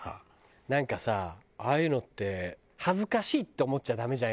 なんかさああいうのって恥ずかしいって思っちゃダメじゃん